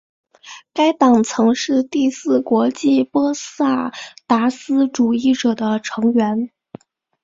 该党曾是第四国际波萨达斯主义者的成员。